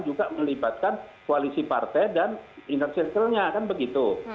juga melibatkan koalisi partai dan inner circle nya kan begitu